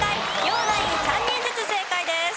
両ナイン３人ずつ正解です。